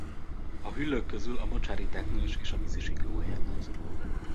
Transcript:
A hüllők közül a mocsári teknős és a vízisikló a jellemző.